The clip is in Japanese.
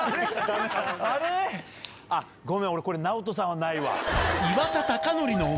ごめん俺ＮＡＯＴＯさんはないわ。